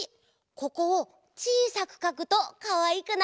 ここをちいさくかくとかわいくなるよ。